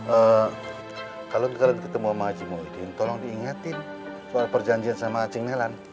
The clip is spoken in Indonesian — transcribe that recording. eh kalo kalian ketemu sama haji muhyiddin tolong diingetin soal perjanjian sama acing nelan